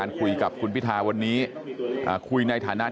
ไปพบผู้ราชการกรุงเทพมหานครอาจารย์ชาติชาติชาติชาติชาติชาติชาติชาติฝิทธิพันธ์นะครับ